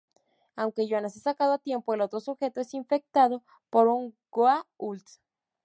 Aunque Jonas es sacado a tiempo, el otro sujeto es infectado por un Goa'uld.